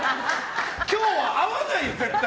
今日は合わないよ、絶対。